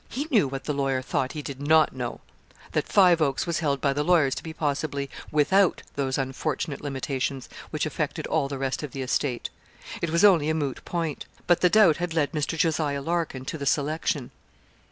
He knew what the lawyer thought he did not know that Five Oaks was held by the lawyers to be possibly without those unfortunate limitations which affected all the rest of the estate. It was only a moot point; but the doubt had led Mr. Jos. Larkin to the selection.